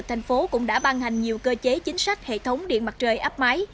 công ty điện lực thành phố cũng đã ban hành nhiều cơ chế chính sách hệ thống điện mặt trời áp máy